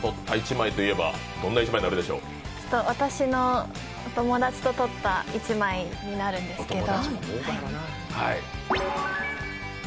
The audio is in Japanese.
私の友達と撮った１枚になるんですけど。